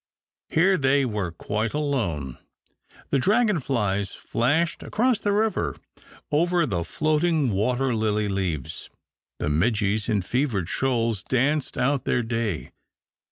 Here they were uite alone. The dragon flies flashed across he river over the floating water lily leaves, 'he midges in fevered shoals danced out their ay.